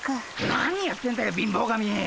何やってんだよ貧乏神！